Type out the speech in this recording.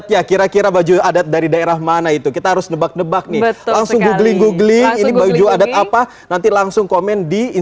tapi betul sekali